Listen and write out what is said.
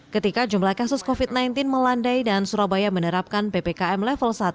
ketika jumlah kasus covid sembilan belas melandai dan surabaya menerapkan ppkm level satu